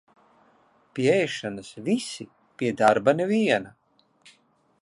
Pie ēšanas visi, pie darba neviena.